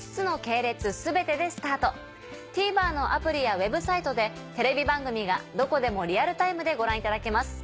ＴＶｅｒのアプリやＷｅｂサイトでテレビ番組がどこでもリアルタイムでご覧いただけます。